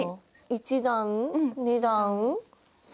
１段２段３段。